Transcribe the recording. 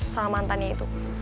sama mantannya itu